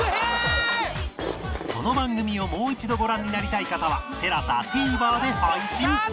この番組をもう一度ご覧になりたい方は ＴＥＬＡＳＡＴＶｅｒ で配信